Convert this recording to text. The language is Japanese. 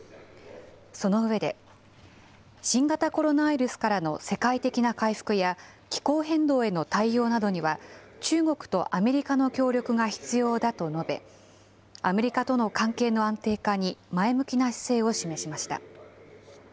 その上で、新型コロナウイルスからの世界的な回復や、気候変動への対応などには、中国とアメリカの協力が必要だと述べ、アメリカとの関係の安定化に前向きな姿勢を示しました。